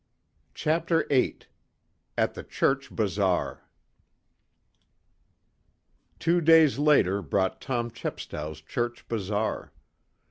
CHAPTER VIII AT THE CHURCH BAZAAR Two days later brought Tom Chepstow's church bazaar.